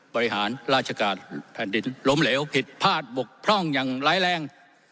บริหารราชการแผ่นดินล้มเหลวผิดพลาดบกพร่องอย่างร้ายแรง